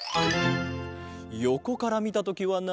よこからみたときはな